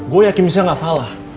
gue yakin saya gak salah